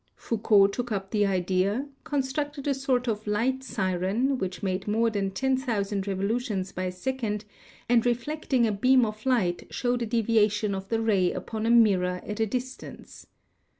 Foucault took up the idea, constructed a sort of "light siren" which made more than^ 1,000 revolutions per sec ond, and reflecting a beam of light showed a deviation of the ray upon a mirror at a distance.